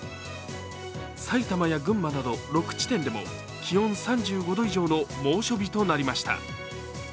埼玉や群馬など６地点でも気温３５度以上の猛暑日となりました。